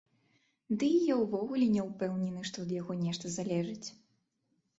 Дый я ўвогуле не ўпэўнены, што ад яго нешта залежыць.